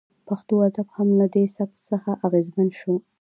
پښتو ادب هم له دې سبک څخه اغیزمن شو